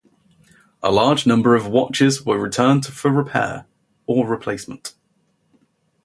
A large number of watches were returned for repair or replacement.